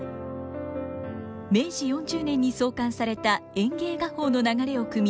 明治４０年に創刊された「演藝畫報」の流れをくみ